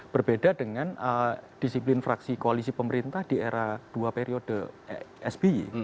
berbeda dengan disiplin fraksi koalisi pemerintah di era dua periode sby